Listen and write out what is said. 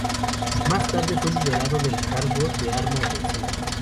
Más tarde fue liberado del cargo de arma ofensiva.